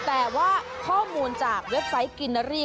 แต่ว่าข้อมูลจากเว็บไซต์กินนารี่